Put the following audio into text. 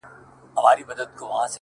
• چي هر لوري ته یې واچول لاسونه,